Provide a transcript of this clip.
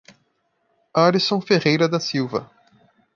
Arisson Ferreira da Silva